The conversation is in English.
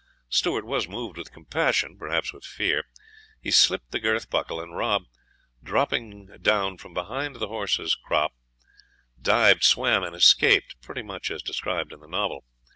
Stewart was moved with compassion, perhaps with fear. He slipt the girth buckle, and Rob, dropping down from behind the horse's croupe, dived, swam, and escaped, pretty much as described in the Novel.